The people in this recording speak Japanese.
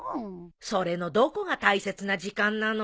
それのどこが大切な時間なの？